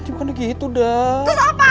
bukan begitu dah